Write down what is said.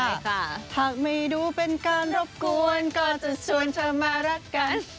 ใช่ค่ะหากไม่ดูเป็นการรบกวนก็จะชวนเธอมารักกัน